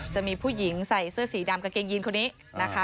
จะมีผู้หญิงใส่เสื้อสีดำกางเกงยีนคนนี้นะคะ